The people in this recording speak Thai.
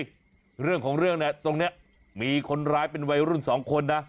เรื่องของเรื่องเนี่ยตรงนี้มีคนร้ายเป็นวัยรุ่นสองคนนะ